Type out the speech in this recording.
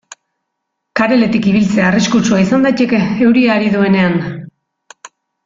Kareletik ibiltzea arriskutsua izan daiteke euria ari duenean.